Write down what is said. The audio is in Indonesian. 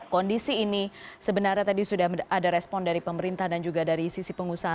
kondisi ini sebenarnya tadi sudah ada respon dari pemerintah dan juga dari sisi pengusaha